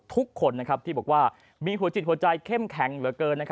ทุกคนที่บอกว่ามีหัวจิตหัวใจเข้มแข็งเหลือเกิน